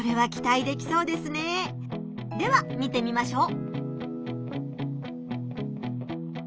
では見てみましょう。